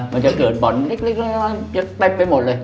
มันจะเกิดบ่อนเล็กไปหมดเลย